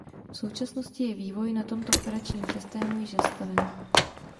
V současnosti je vývoj na tomto operačním systému již zastaven.